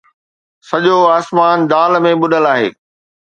سڄو آسمان دال ۾ ٻڏل آهي